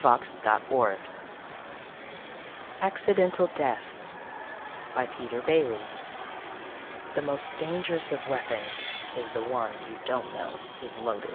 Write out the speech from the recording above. net ACCIDENTAL DEATH BY PETER BAILY _The most dangerous of weapons is the one you don't know is loaded.